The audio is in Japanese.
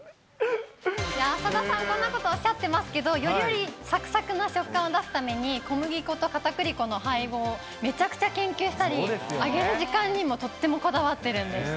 浅田さん、こんなことおっしゃってますけど、よりさくさくな食感を出すために、小麦粉とかたくり粉の配合、めちゃくちゃ研究したり、揚げる時間にもとってもこだわってるんです。